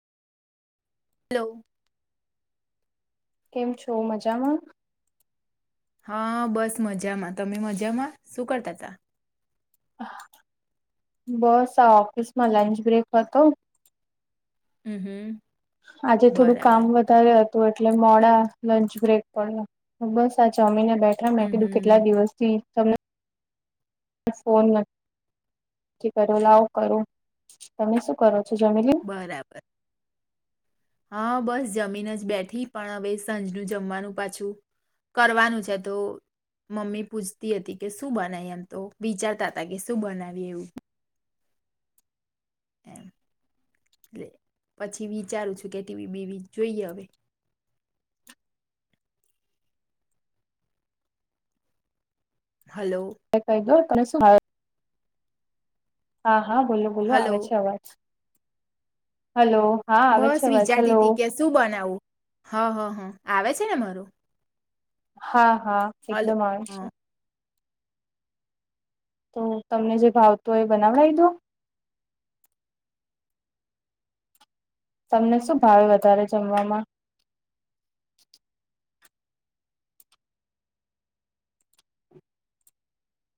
Hello. કેમ છો મજામાં? હા બસ મજામાં. તમે મજામાં શું કરતાતા? બસ આ ઓફિસમાં લંચ બ્રેક હતો. હમ હમ. આજે થોડું કામ બરાબર. વધ ધારે હતું એટલે મોડા લંચ બ્રેક પડયો. બસ આ જમીને બેઠ લાઇ મે હમ કીધું હમ. કેટલા દિવસથી તમને [inaudible] ફોન નથી કર્યો. લાવુ કરું. તમે શું કરો છો. જમી લીદુ? બરાબર. હા બસ જમીન જ બેઠી, પણ હવે સંંજનું જમવાનું પાછું કરવાનું છે તો મમ્મી પૂછતી હતી કે શું બનાય એમ તો, વિચારતા હતા કે શું બનાઇ એવું. એમ એટલે. પછી વિચારું છું કે ટવી બીવી જોઈએ હવે. હલો. કહી દો તને શું, હા હા બોલો બોલો હલો આવે છે અવાજ. હલો, હા આવે છે બસ અવાજ. વિચારતી હલો. હતી કે શું બનાવું? હ હ હ આવે છે ને મારો? હા હા. હલો એકદમ આવે હ છે. તો તમને જે ભાવતું હોય એ બનાવડાઈ દો. તમને શું ભાવે વધારે જમવામાં?